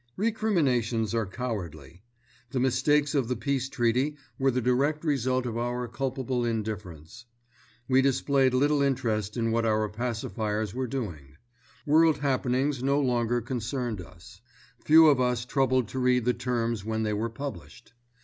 Recriminations are cowardly. The mistakes of the Peace Treaty were the direct result of our culpable indifference. We displayed little interest in what our pacifiers were doing. World happenings no longer concerned us. Few of us troubled to read the terms when they were published.